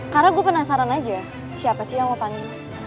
karena gue penasaran aja siapa sih yang lo panggil